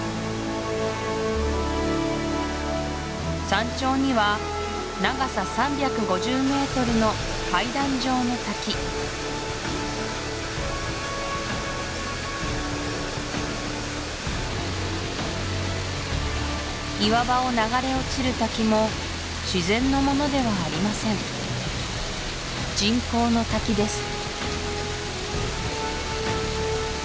山頂には岩場を流れ落ちる滝も自然のものではありません人工の滝です